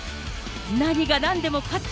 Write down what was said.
何がなんでも勝つ。